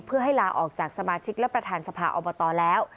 เพื่อให้ลาออกจากสมาชิกและประธานสภาอบตแล้ว